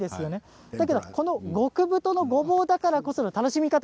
例えば、極太のごぼうだからこその楽しみ方